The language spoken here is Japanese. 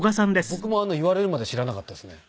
僕も言われるまで知らなかったですね。